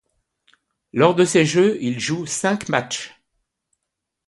Lors de ces Jeux, il joue cinq matchs.